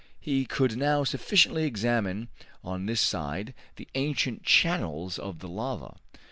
He could now sufficiently examine on this side the ancient channels of the lava.